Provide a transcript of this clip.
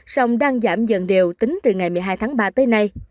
sông đang giảm dần đều tính từ ngày một mươi hai tháng ba tới nay